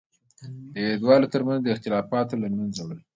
د هېوادوالو تر منځ اختلافاتو له منځه وړل.